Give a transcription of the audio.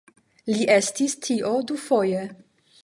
Li estis tio dufoje.